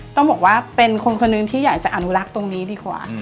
ต้องบอกว่าเป็นคนคนหนึ่งที่อยากจะอนุรักษ์ตรงนี้ดีกว่า